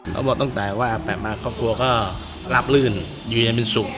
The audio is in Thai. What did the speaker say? เขาบอกตั้งแต่ว่ากลับมาครอบครัวก็ราบลื่นอยู่เย็นเป็นสุข